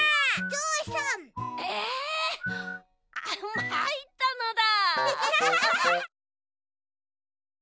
ゾウさん！えまいったのだ。